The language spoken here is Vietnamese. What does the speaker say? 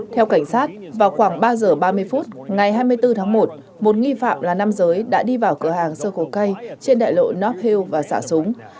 theo cảnh sát vào khoảng ba giờ ba mươi phút ngày hai mươi bốn tháng một một nghi phạm là nam giới đã đi vào cửa hàng circle k trên đại lộ north hill và xả súng